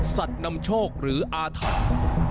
นำโชคหรืออาถรรพ์